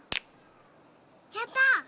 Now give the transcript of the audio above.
やった！